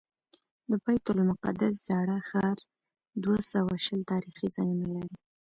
د بیت المقدس زاړه ښار دوه سوه شل تاریخي ځایونه لري.